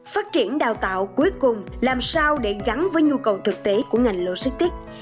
phát triển đào tạo cuối cùng làm sao để gắn với nhu cầu thực tế của ngành logistics